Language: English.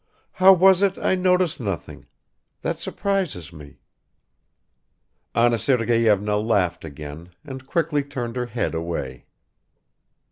... How was it I noticed nothing? That surprises me." Anna Sergeyevna laughed again and quickly turned her head away.